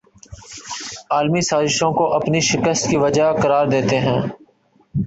عالمی سازشوں کو اپنی شکست کی وجہ قرار دیتے ہیں